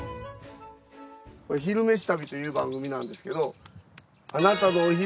「昼めし旅」という番組なんですけど。